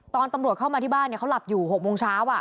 ตอนตำรวจเข้ามาที่บ้านเขาหลับอยู่๖โมงเช้า